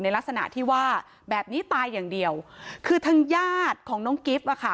ลักษณะที่ว่าแบบนี้ตายอย่างเดียวคือทางญาติของน้องกิฟต์อ่ะค่ะ